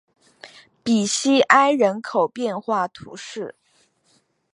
比西埃人口变化图示